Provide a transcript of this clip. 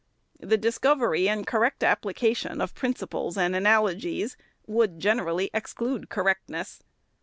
The discovery and correct application of principles and analogies would gen erally exclude correctness.